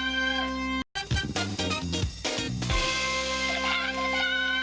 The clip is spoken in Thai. กัน